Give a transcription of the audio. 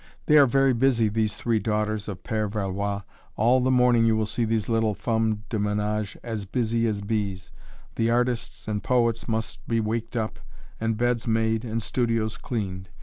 They are very busy, these three daughters of Père Valois all the morning you will see these little "femmes de ménage" as busy as bees; the artists and poets must be waked up, and beds made and studios cleaned.